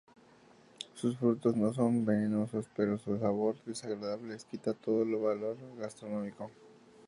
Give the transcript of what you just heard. Sus frutos no son venenosos pero su sabor desagradable les quita todo valor gastronómico.